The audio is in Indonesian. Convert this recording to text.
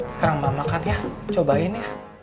sekarang mbak makan ya cobain ya